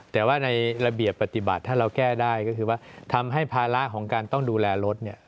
แต่ว่าในระเบียบปฏิบัติถ้าเราแก้ได้ก็คือว่าทำให้ภาระของการต้องดูแลรถเนี่ย